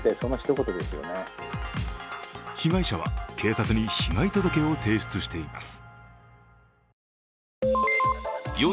被害者は警察に被害届を提出しています。